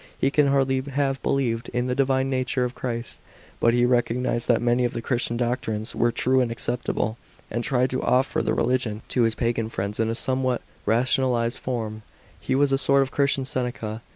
He can hardly have believed in the divine nature of Christ. But he recognised that many of the Christian doctrines were true and acceptable, and tried to offer the religion to his pagan friends in a somewhat r<ttiona'ize>i form. He was a sort of Christian Seneca.